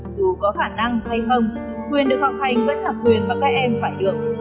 dù có khả năng hay không quyền được học hành vẫn là quyền mà các em phải được